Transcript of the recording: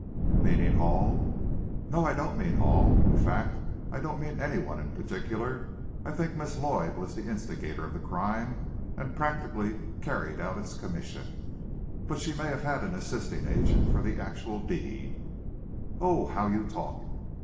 "Meaning Hall?" "No, I don't mean Hall. In fact I don't mean any one in particular. I think Miss Lloyd was the instigator of the crime, and practically carried out its commission, but she may have had an assisting agent for the actual deed." "Oh, how you talk!